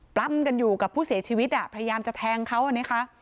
ปรับมันกันอยู่กับผู้เสียชีวิตอ่ะพยายามจะแทงเขาอันนี้ค่ะ